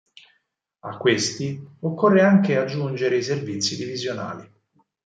A questi, occorre anche aggiungere i servizi divisionali.